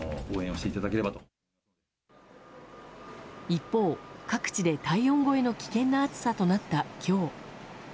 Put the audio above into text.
一方、各地で体温超えの危険な暑さとなった今日。